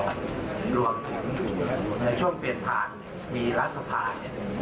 รวมถึงในช่วงเปลี่ยนผ่านมีรัฐสภา